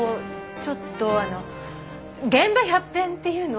ちょっとあの現場百遍っていうの？